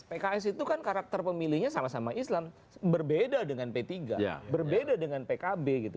pks itu kan karakter pemilihnya sama sama islam berbeda dengan p tiga berbeda dengan pkb gitu